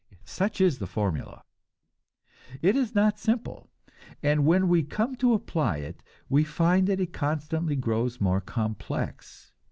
Such is the formula. It is not simple; and when we come to apply it, we find that it constantly grows more complex.